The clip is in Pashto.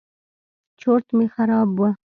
چورت مې خراب و.